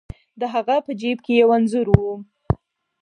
د هغه په جیب کې یو انځور و.